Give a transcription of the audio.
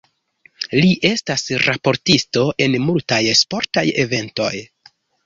Li estis raportisto en multaj sportaj eventoj.